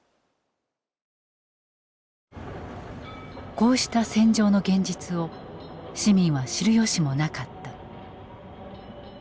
こうした戦場の現実を市民は知る由もなかった。